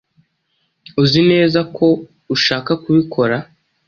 Uzi neza ko ushaka kubikora?